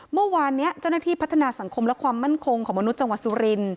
เมื่อวานนี้เจ้าหน้าที่พัฒนาสังคมและความมั่นคงของมนุษย์จังหวัดสุริน